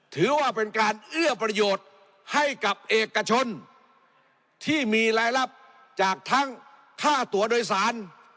ถือว่าเป็นการเอื้อประโยชน์ให้กับเอกชนที่มีรายรับจากทั้งค่าตัวโดยสาร